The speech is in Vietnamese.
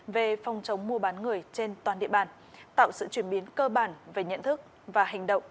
về phòng chống mua bán người trên toàn địa bàn tạo sự chuyển biến cơ bản về nhận thức và hành động